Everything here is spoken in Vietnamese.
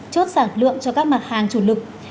chốt sản lượng cho các mặt hàng chủ lực